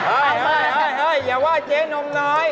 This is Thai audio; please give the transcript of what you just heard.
อ้าวเฮ่ยอย่าว่าเจ๊นมน้อย